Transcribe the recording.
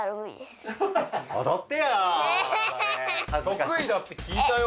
とくいだって聞いたよ？